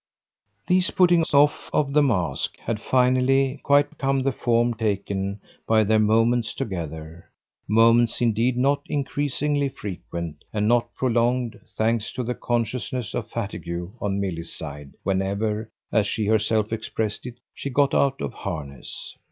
These puttings off of the mask had finally quite become the form taken by their moments together, moments indeed not increasingly frequent and not prolonged, thanks to the consciousness of fatigue on Milly's side whenever, as she herself expressed it, she got out of harness.